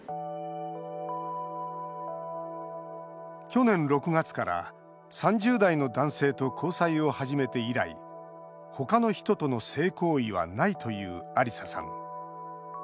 去年６月から３０代の男性と交際を始めて以来他の人との性行為はないというアリサさん。